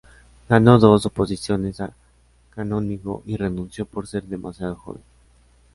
Ganó dos oposiciones a canónigo y renunció por ser demasiado joven.